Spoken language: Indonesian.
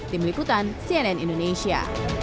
tim liputan cnn indonesia